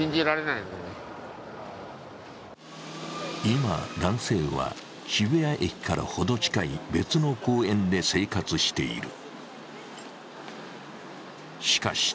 今、男性は渋谷駅からほど近い別の公園で生活している。